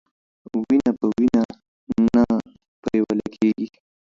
وينه په وينه نه پريوله کېږي.